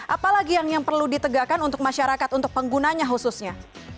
apalagi yang perlu ditegakkan untuk masyarakat untuk penggunanya khususnya